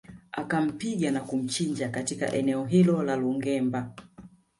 Akampiga na kumchinja katika eneo hilo la Lungemba